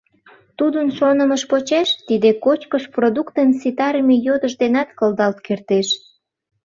Тудын шонымыж почеш, тиде кочкыш продуктым ситарыме йодыш денат кылдалт кертеш.